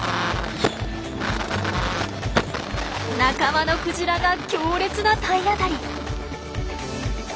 仲間のクジラが強烈な体当たり。